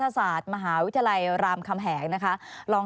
สวัสดีครับทุกคน